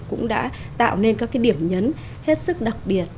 cũng đã tạo nên các cái điểm nhấn hết sức đặc biệt